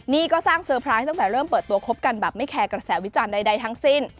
นี่ก็สร้างเซอร์ไพรส์ตั้งแต่เริ่มเปิดตัวคบกันแบบไม่แคร์กระแสวิจารณ์ใดทั้งสิ้น